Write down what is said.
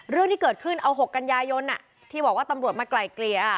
เรื่องที่เกิดขึ้นเอา๖กันยายนที่บอกว่าตำรวจมาไกลเกลี่ย